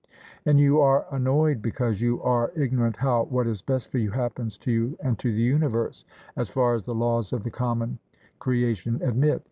And you are annoyed because you are ignorant how what is best for you happens to you and to the universe, as far as the laws of the common creation admit.